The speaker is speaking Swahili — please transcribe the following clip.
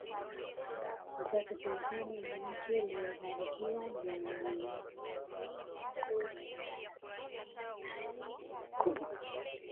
mtoto tanzania ni nchi ilioyobarikiwa na mwenyezi mungu ina rasilimali kubwa